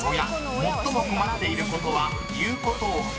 ［最も困っていることは言うことを聞かない］